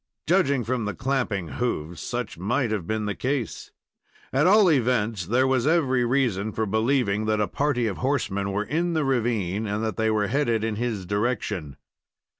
Judging from the clamping hoofs, such might have been the case. At all events, there was every reason for believing that a party of horsemen were in the ravine and that they were headed in his direction.